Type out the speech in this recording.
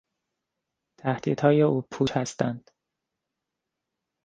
تهدیدهای او پوچ هستند.